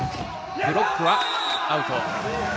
ブロックはアウト。